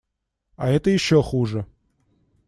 А это еще хуже.